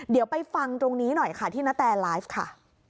เดี๋ยวไปฟังตรงนี้หน่อยค่ะที่นาแตไลฟ์ค่ะ